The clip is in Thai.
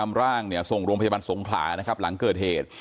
ร่างเนี่ยส่งโรงพยาบาลสงขลานะครับหลังเกิดเหตุ